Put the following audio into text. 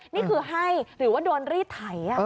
นี่คือให้หรือว่าโดนรีดไถ